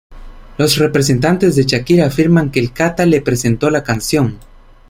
Los representantes de Shakira afirman que El Cata le presentó la canción.